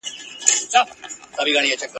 پرون تېر سو هغه پرېږده لکه مړی داسي تللی !.